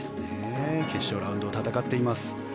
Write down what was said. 決勝ラウンドを戦っています。